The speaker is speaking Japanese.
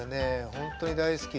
本当に大好きで。